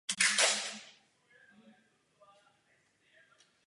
Může se pěstovat ve vyšších i horských polohách.